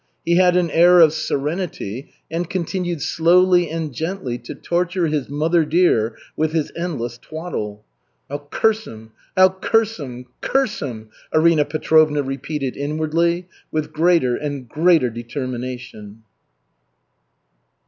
He had an air of serenity, and continued slowly and gently to torture his "mother dear" with his endless twaddle. "I'll curse him! I'll curse him! Curse him!" Arina Petrovna repeated inwardly, with greater and greater determination.